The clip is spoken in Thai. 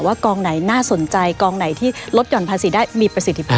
กองไหนน่าสนใจกองไหนที่ลดหย่อนภาษีได้มีประสิทธิภาพ